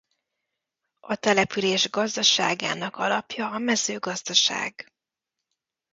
A település gazdaságának alapja a mezőgazdaság.